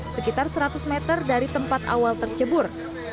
sekitar seratus meter dari tempat awal tercebur